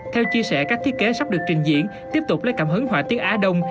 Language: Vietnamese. theo chia sẻ các thiết kế sắp được trình diễn tiếp tục lấy cảm hứng họa tiết á đông